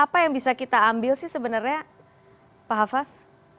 apa yang bisa kita ambil sih sebenarnya pak hafaz